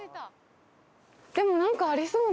でもなんかありそうな。